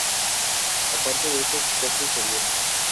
Los colores son blanco y azul claro, con un gato que simboliza el país.